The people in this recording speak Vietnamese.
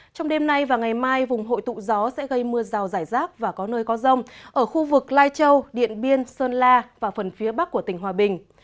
trong đêm nay và ngày mai vùng hội tụ gió sẽ gây mưa rào rải rác và có nơi có rông ở khu vực lai châu điện biên sơn la và phần phía bắc của tỉnh hòa bình